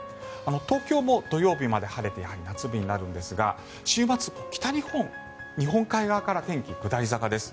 東京も土曜日まで晴れてやはり夏日になるんですが週末、北日本日本海側から天気、下り坂です。